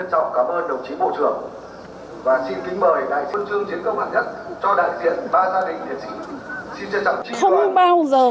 xin trân trọng cảm ơn đồng chí bộ trưởng